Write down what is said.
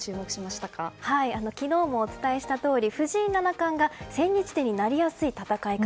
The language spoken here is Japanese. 昨日もお伝えしたとおり藤井七冠が千日手になりやすい戦い方。